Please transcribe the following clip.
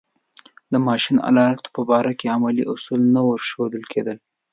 د ماشین آلاتو په باره کې علمي اصول نه ورښودل کېدل.